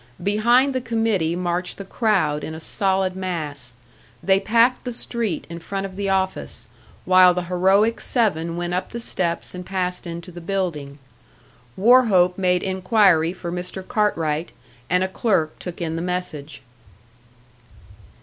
Behind the committee marched the crowd in a solid mass; they packed the street in front of the office, while the heroic seven went up the steps and passed into the building. Wauchope made inquiry for Mr. Cartwright, and a clerk took in the message.